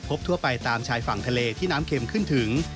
ทั่วไปตามชายฝั่งทะเลที่น้ำเข็มขึ้นถึง